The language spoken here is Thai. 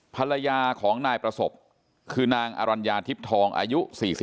ภรรยาของนายประสบคือนางอรัญญาทิพย์ทองอายุ๔๒